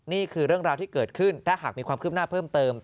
นี่คือเรื่องราวที่เกิดขึ้นถ้าหากมีความคืบหน้าเพิ่มเติม